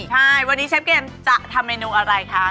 ใช่วันนี้เชฟเกมจะทำเมนูอะไรคะ